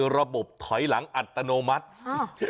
ระบบถอยหลังอัตโนมัติ